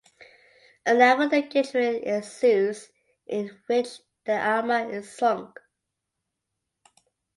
A naval engagement ensues in which the "Alma" is sunk.